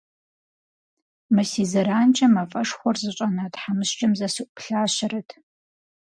Мы си зэранкӏэ мафӏэшхуэр зыщӏэна тхьэмыщкӏэм зэ сыӏуплъащэрэт.